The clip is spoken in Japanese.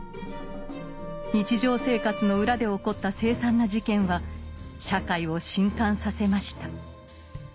日常生活の裏で起こった凄惨な事件は社会を震撼させました。